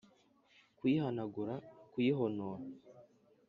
kuyihanagura kuyihonora